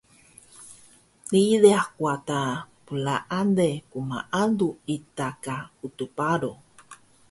ririh wada plaale gmaalu ita ka Utux Baro